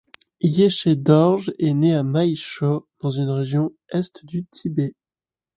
Yeshe Dorje est né à Mayshö dans une région est du Tibet.